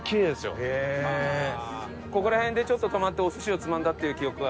ここら辺でちょっと止まってお寿司をつまんだっていう記憶は。